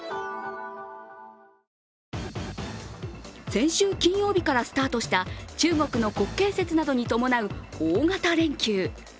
先週金曜日からスタートした中国の国慶節などに伴う大型連休。